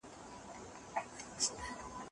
که کورنۍ مطالعه تنظیم کړي، ماشوم نه بې نظمه کېږي.